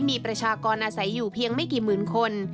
มีประชากรอาศัยอยู่เพียงไม่กี่หมื่นคน